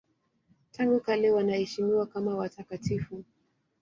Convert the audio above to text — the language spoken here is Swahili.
Tangu kale wanaheshimiwa kama watakatifu.